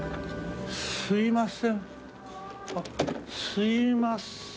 すいません。